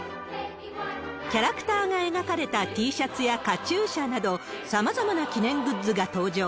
キャラクターが描かれたＴシャツやカチューシャなど、さまざまな記念グッズが登場。